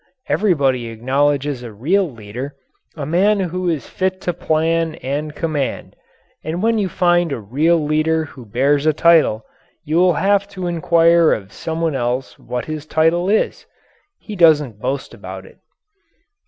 Everybody acknowledges a real leader a man who is fit to plan and command. And when you find a real leader who bears a title, you will have to inquire of someone else what his title is. He doesn't boast about it.